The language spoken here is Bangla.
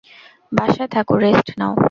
বাসায় থাক, রেষ্ট নাও!